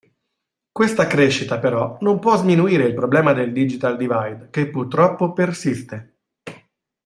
Questa crescita però non può sminuire il problema del "Digital divide" che purtroppo persiste.